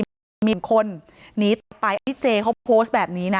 มีบางคนหนีต่อไปที่เจ๊เขาโพสต์แบบนี้นะ